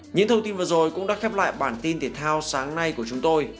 những thông tin vừa rồi cũng đã khép lại bản tin thể thao sáng nay của chúng tôi